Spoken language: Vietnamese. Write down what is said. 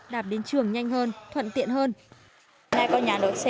đạp đến trường các em có thể nhận được những chiếc áo mới